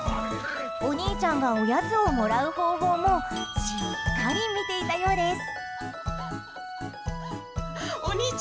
お兄ちゃんがおやつをもらう方法もしっかり見ていたようです。